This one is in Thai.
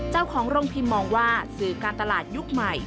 เจ้าของโรงพิมพ์มองว่าสื่อการตลาดยุคใหม่